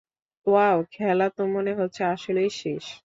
Wow, খেলা তো মনে হচ্ছে আসলেই শেষ!